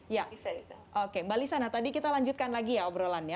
ya mbak lisa tadi kita lanjutkan lagi ya obrolannya